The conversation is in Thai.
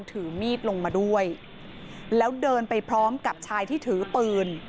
ถือมีดลงมาด้วยแล้วเดินไปพร้อมกับชายที่ถือปืน